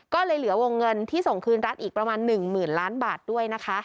ก็เลยเหลือวงเงินที่ส่งคืนรัฐอีกประมาณ๑๐๐๐ล้านบาทด้วยนะคะ